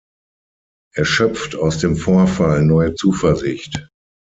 Er schöpft aus dem Vorfall neue Zuversicht.